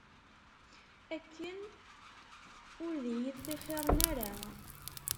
Akken ur d iyi-ttixiṛen ara.